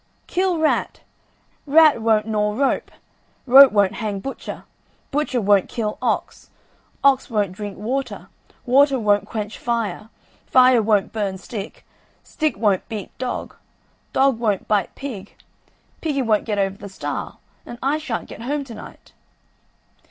kill rat; rat won't gnaw rope; rope won't hang butcher; butcher won't kill ox; ox won't drink water; water won't quench fire; fire won't burn stick; stick won't beat dog; dog won't bite pig; piggy won't get over the stile; and I shan't get home to night."